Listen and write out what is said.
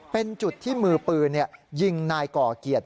เป็นจุดที่มือปืนยิงนายก่อเกียรติ